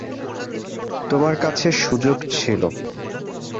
তোমার কাছে সুযোগ ছিল।